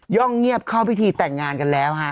เงียบเข้าพิธีแต่งงานกันแล้วฮะ